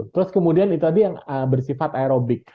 terus kemudian itu tadi yang bersifat aerobik